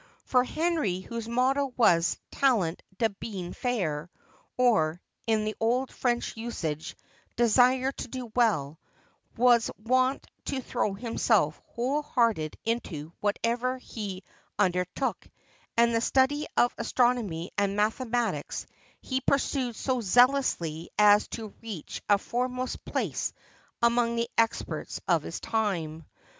For Henry, whose motto was "Talent de bien faire," or (in the old French usage) "Desire to do well," was wont to throw himself whole hearted into whatever he under took, and the study of astronomy and mathematics he pursued so zealously as to reach a foremost place among the experts of his time.